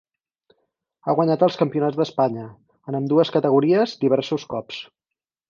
Ha guanyat els campionats d'Espanya, en ambdues categories diversos cops.